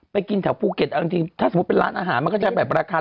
กินแถวภูเก็ตบางทีถ้าสมมุติเป็นร้านอาหารมันก็จะแบบราคา